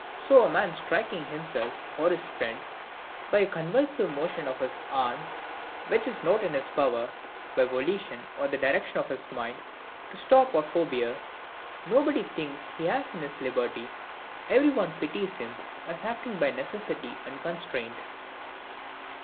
So a man striking himself, or his friend, by a convulsive motion of his arm, which it is not in his power, by volition or the direction of his mind, to stop or forbear, nobody thinks he has in this liberty; every one pities him, as acting by necessity and constraint.